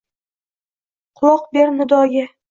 Quloq ber nidoga